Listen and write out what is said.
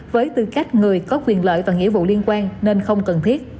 với tư cách người có quyền lợi và nghĩa vụ liên quan nên không cần thiết